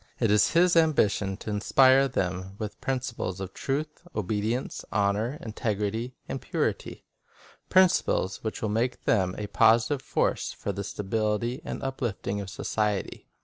It is his ambition to inspire them with principles of truth, obedience, honor, integ rity, and purity, — principles that will make them a positive force for the stability and uplifting of society.